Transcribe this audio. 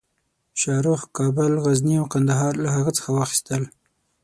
شاهرخ کابل، غزني او قندهار له هغه څخه واخیستل.